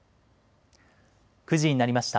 ９時になりました。